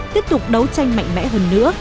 tiếp tục đấu tranh mạnh mẽ hơn nữa